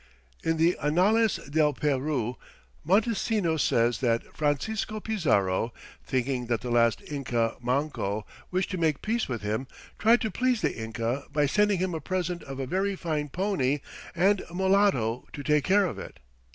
In the "Anales del Peru" Montesinos says that Francisco Pizarro, thinking that the Inca Manco wished to make peace with him, tried to please the Inca by sending him a present of a very fine pony and a mulatto to take care of it.